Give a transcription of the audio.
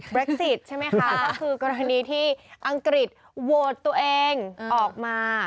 สิทธิ์ใช่ไหมคะก็คือกรณีที่อังกฤษโหวตตัวเองออกมา